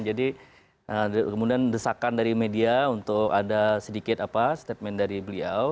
jadi kemudian desakan dari media untuk ada sedikit statement dari beliau